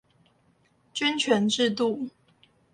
均權制度